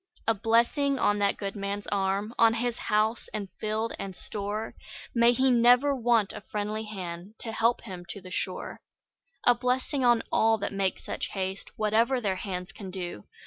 A blessing on that good man's arm, On his house, and field, and store; May he never want a friendly hand To help him to the shore! A blessing on all that make such haste, Whatever their hands can do!